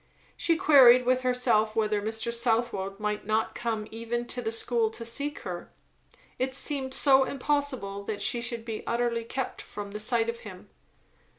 She queried with herself whether Mr. Southwode might not come even to the school to seek her; it seemed so impossible that she should be utterly kept from the sight of him.